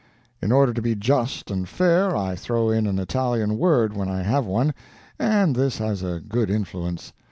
In order to be just and fair, I throw in an Italian word when I have one, and this has a good influence.